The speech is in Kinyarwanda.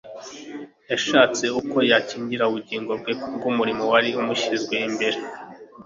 yashatse uko yakingira ubugingo bwe kubw'umurimo wari umushyizwe imbere